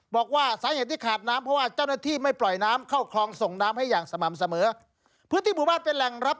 บอกว่าสาเหตุที่ขาดน้ำเพราะว่า